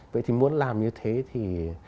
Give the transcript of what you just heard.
vậy thì muốn làm như thế thì